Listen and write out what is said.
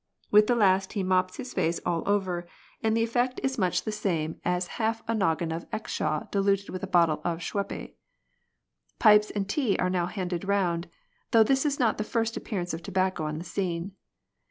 With the last he mops his face all over, and the effect is much the 156 A DINNER PARTY. same as half a noggin of Exshaw diluted with a bottle of Schweppe. Pipes and tea are now handed round, though this is not the first appearance of tobacco on the scene.